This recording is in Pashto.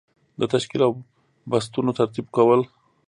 د تشکیل او بستونو ترتیب کول.